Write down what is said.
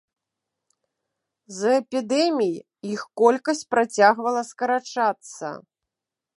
З-за эпідэмій іх колькасць працягвала скарачацца.